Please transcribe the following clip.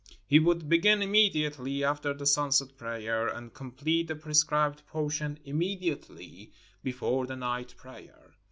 He would begin immediately after the sunset prayer, and complete the prescribed portion immediately before the night prayer.